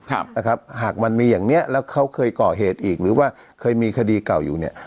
ครับนะครับหากมันมีอย่างเนี้ยแล้วเขาเคยก่อเหตุอีกหรือว่าเคยมีคดีเก่าอยู่เนี่ย